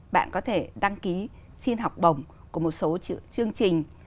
bạn có thể đăng ký xin học bổng của một số chương trình